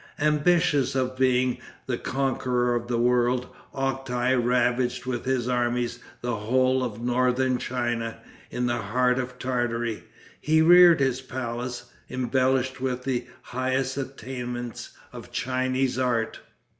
Ambitious of being the conqueror of the world, Octai ravaged with his armies the whole of northern China. In the heart of Tartary he reared his palace, embellished with the highest attainments of Chinese art.